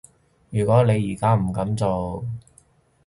如果你而家唔噉做